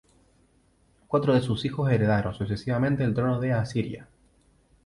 Cuatro de sus hijos heredaron sucesivamente el trono de Asiria.